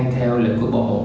theo lực của bộ